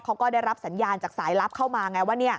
เขาก็ได้รับสัญญาณจากสายลับเข้ามาไงว่า